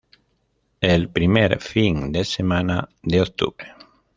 El primer fin de semana de octubre.